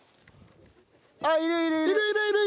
あっいるいるいる！